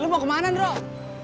lu mau kemana n yearok